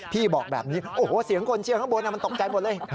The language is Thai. พี่บอกแบบนี้โอ้โหเสียงคนเชียร์ข้างบนมันตกใจหมดเลย